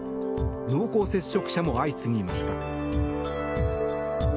濃厚接触者も相次ぎました。